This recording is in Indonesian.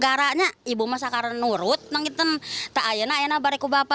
kartini menerima jika rumah yang telah dibangun dengan biaya enam puluh juta rupiah itu harus ditetipkan